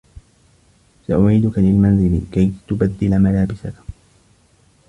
سأعيدك للمنزل كي تبدّل ملابسك.